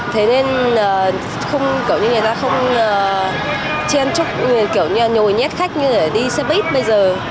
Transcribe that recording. thế nên người ta không chen chúc nhổi nhét khách như đi xe bít bây giờ